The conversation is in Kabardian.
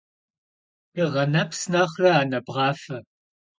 Dığe neps nexhre ane bğafe.